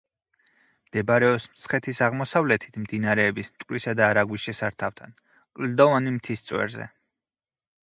მდებარეობს მცხეთის აღმოსავლეთით, მდინარეების მტკვრისა და არაგვის შესართავთან, კლდოვანი მთის წვერზე.